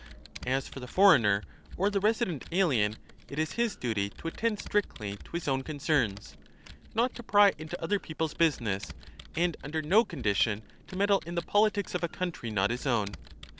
As for the foreigner or the resident alien, it is his (5) aiiens, duty to attend strictly to his own concerns, not to pry into other people's business, and under no condition to meddle in the politics of a country not his own.